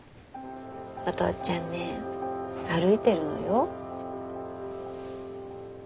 お父ちゃんね歩いてるのよ。